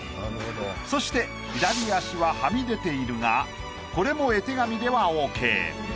そして左脚ははみ出ているがこれも絵手紙ではオーケー。